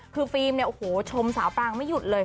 คือฟิล์มชมสาวปางกันไม่หยุดเลย